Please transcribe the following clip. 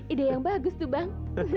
ide yang bagus tuh bang